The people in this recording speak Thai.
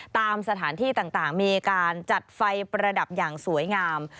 ตามสถานที่ต่างมีการจัดไฟประดับอย่างสวยงาม